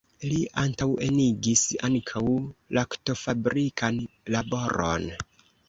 Li antaŭenigis ankaŭ laktofabrikan laboron.